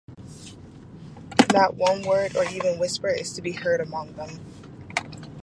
Not one word or even a whisper is to be heard among them.